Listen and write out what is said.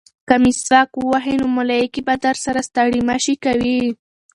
که مسواک ووهې نو ملایکې به درسره ستړې مه شي کوي.